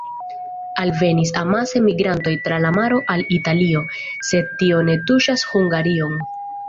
Alvenis amase migrantoj tra la maro al Italio, sed tio ne tuŝas Hungarion.